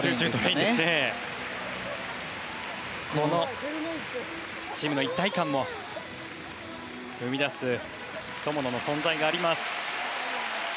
このチームの一体感も生み出す友野の存在があります。